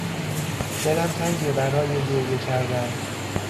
دلم تنگه برای گریه کردن